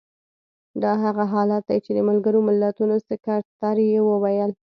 دا هغه حالت دی چې د ملګرو ملتونو سکتر یې وویل.